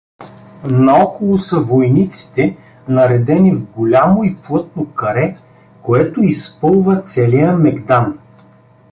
Наоколо са войниците, наредени в голямо и плътно каре, което изпълва целия мегдан.